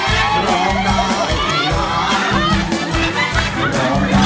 ได้ได้ได้